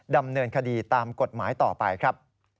ดำเนินคดีตามกฎหมายต่อไปครับ